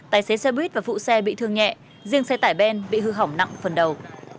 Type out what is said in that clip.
tài xế xe buýt và phụ xe bị thương nhẹ riêng xe tải ben bị hư hỏng nặng phần đầu